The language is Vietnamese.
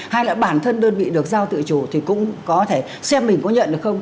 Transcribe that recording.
hay là bản thân đơn vị được giao tự chủ thì cũng có thể xem mình có nhận được không